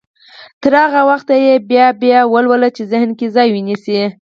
تر هغه وخته يې بيا بيا يې ولولئ چې ذهن کې ځای ونيسي.